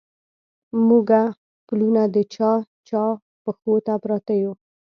موږه پلونه د چا، چا پښو ته پراته يو